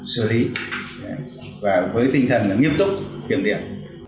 xử lý và với tinh thần nghiêm túc kiểm điểm